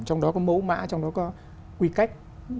trong đó có mẫu mã trong đó có quy cách